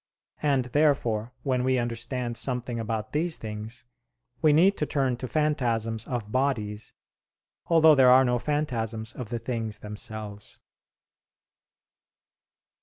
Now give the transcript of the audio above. And, therefore, when we understand something about these things, we need to turn to phantasms of bodies, although there are no phantasms of the things themselves.